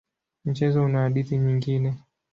Mchezo una hadithi nyingine.